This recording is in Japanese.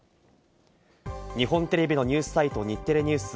日本テレビやニュースサイト、日テレＮＥＷＳ。